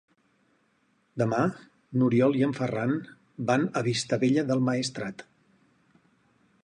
Demà n'Oriol i en Ferran van a Vistabella del Maestrat.